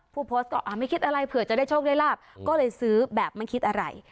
ผู้โพสต์ก็ไม่คิดอะไรเผื่อจะได้โชคได้ลาบก็เลยซื้อแบบไม่คิดอะไร